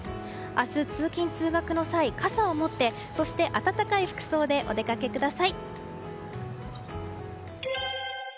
明日、通勤・通学の際傘を持ってそして暖かい服装でお出かけください。